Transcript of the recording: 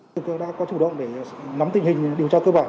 tổ chức đã có chủ động để nắm tình hình điều tra cơ bản